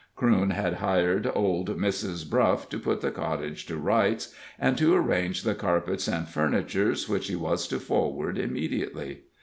Crewne had hired old Mrs. Bruff to put the cottage to rights, and to arrange the carpets and furniture, which he was to forward immediately.